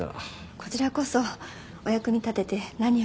こちらこそお役に立てて何よりです。